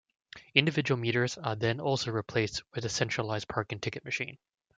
Individual meters are then also replaced with a centralized parking ticket machine.